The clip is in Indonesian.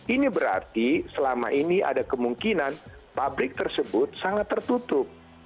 ini berarti selama ini ada kemungkinan pabrik tersebut sangat tertutup